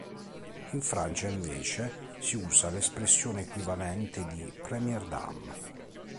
In Francia, invece, si usa l'espressione equivalente di "première dame".